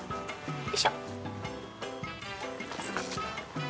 よいしょ。